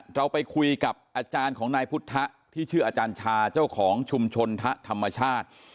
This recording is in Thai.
เราไปคุยกับอาจารย์ของนายพุทธที่ชื่ออาจารย์ชาเจ้าของชุมชนทะธรรมชาติ